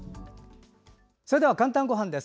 それでは「かんたんごはん」です。